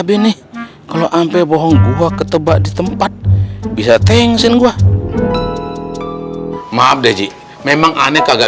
ini kalau ampai bohong gua ketebak di tempat bisa tingsin gua maaf deh ji memang aneh kagak